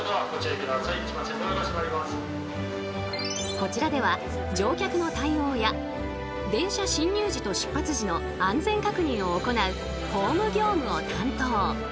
こちらでは乗客の対応や電車進入時と出発時の安全確認を行うホーム業務を担当。